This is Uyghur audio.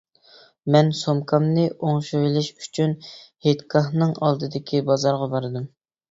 مەن سومكامنى ئوڭشىۋېلىش ئۈچۈن ھېيتگاھنىڭ ئالدىدىكى بازارغا باردىم.